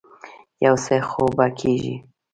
يو څه خو به کېږي.